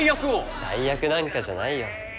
代役なんかじゃないよ。